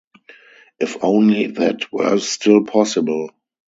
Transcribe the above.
If only that were still possible.